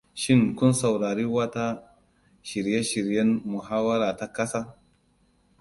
Shin kun saurari watsa shirye-shiryen Muhawara ta Kasa?